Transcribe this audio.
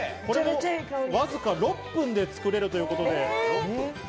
わずか６分で作れるということです。